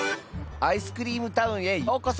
アイスクリームタウンへようこそ！